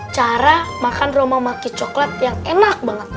cara makan roma mocky coklat yang enak banget